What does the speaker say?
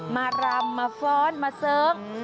มารำมาฟ้อนมาเสิร์ง